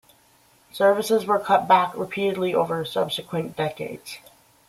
Services were cut back repeatedly over subsequent decades.